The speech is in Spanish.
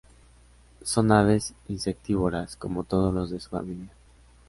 Son aves insectívoras, como todos los de su familia.